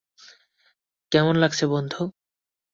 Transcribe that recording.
কেমন লাগছে, বন্ধু?